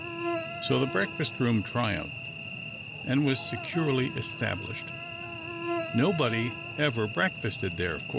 So the breakf^ist room triumphed, and was securely established. Nobody ever breakfasted there, of course.